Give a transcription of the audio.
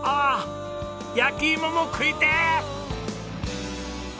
焼き芋も食いてえ！